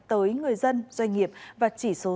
tới người dân doanh nghiệp và chỉ số